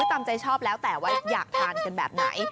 ตามใจชอบแล้วแต่ว่าอยากทานกันแบบไหน